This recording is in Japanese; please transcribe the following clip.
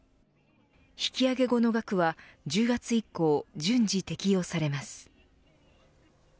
引き上げ後の額は、１０月以降順次適用されます。